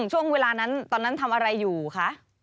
ช่วงเวลานั้นตอนนั้นทำอะไรอยู่คะ